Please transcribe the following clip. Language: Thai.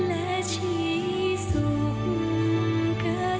และชีสุขสุมกษมณ์